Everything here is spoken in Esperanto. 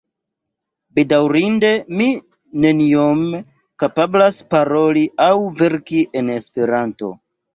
Bedaŭrinde mi neniom kapablas paroli aŭ verki en Esperanto.